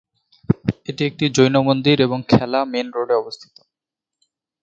এটি একটি জৈন মন্দির এবং খেলা মেন রোডে অবস্থিত।